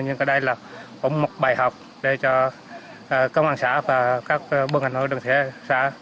nhưng đây là một bài học để cho công an xã và các bộ ngành hội đồng xã